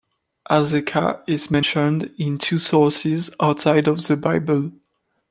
Azekah is mentioned in two sources outside of the Bible.